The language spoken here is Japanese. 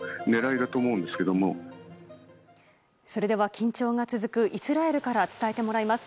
緊張が続くイスラエルから伝えてもらいます。